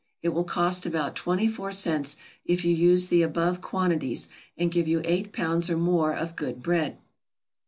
It will cost about twenty four cents if you use the above quantities, and give you eight pounds or more of good bread.